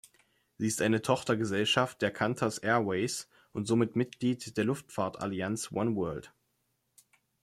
Sie ist eine Tochtergesellschaft der Qantas Airways und somit Mitglied der Luftfahrtallianz oneworld.